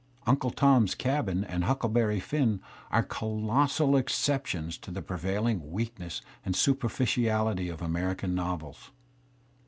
"Unde Tom*s Cabin" and "Huclde j berry Firm" are colossal exceptions to the prevailing weak ness and superficiality of American novels.